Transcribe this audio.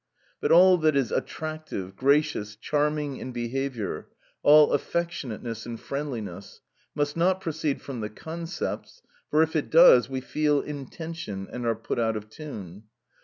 But all that is attractive, gracious, charming in behaviour, all affectionateness and friendliness, must not proceed from the concepts, for if it does, "we feel intention, and are put out of tune."